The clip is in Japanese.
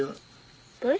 えっ？